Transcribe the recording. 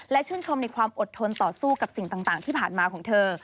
และชื่นชมในความอดทนต่อสู้กับสิ่งต่างที่ผ่านมาของเธอ